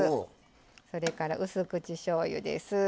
それから、うす口しょうゆです。